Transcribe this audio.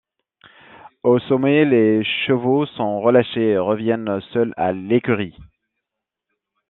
Au sommet, les chevaux sont relachés et reviennent seuls à l'écurie.